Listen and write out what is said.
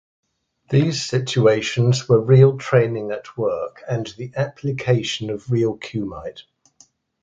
These situations were real training at work and the application of real Kumite.